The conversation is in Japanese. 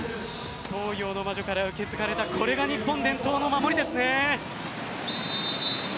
東洋の魔女から受け継がれたこれが日本伝統の守りですね。